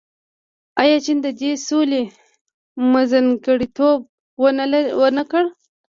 آیا چین د دې سولې منځګړیتوب ونه کړ؟